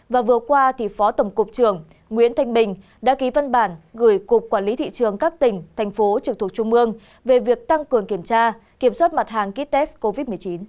và vừa qua thì phó tổng cục trưởng nguyễn thanh bình đã ký văn bản gửi cục quản lý thị trường các tỉnh thành phố trực thuộc trung ương về việc tăng cường kiểm tra kiểm soát mặt hàng ký test covid một mươi chín